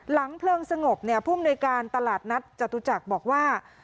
หลังเพลิงสงบเนี่ยภูมิโดยการตลาดนัดจัตรุจักรบอกว่า